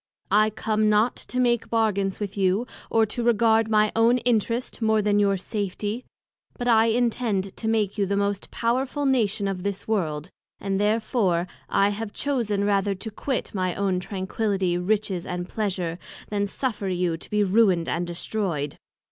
I come not to make bargains with you, or to regard my own Interest more than your Safety; but I intend to make you the most powerful Nation of this World, and therefore I have chosen rather to quit my own Tranquility, Riches and Pleasure, than suffer you to be ruined and destroyed.